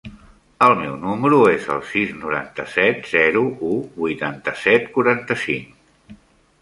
El meu número es el sis, noranta-set, zero, u, vuitanta-set, quaranta-cinc.